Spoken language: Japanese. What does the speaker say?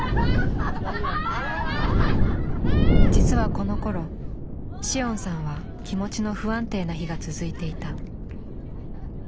実はこのころ紫桜さんは気持ちの不安定な日が続いていた。